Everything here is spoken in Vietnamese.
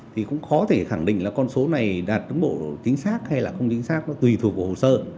thì cũng khó thể khẳng định là con số này đạt cái bộ chính xác hay là không chính xác nó tùy thuộc vào hồ sơ